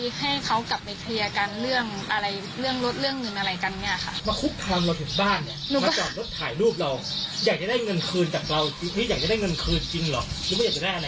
นึกว่าอยากจะได้อะไรก็ได้ถามเขาไหม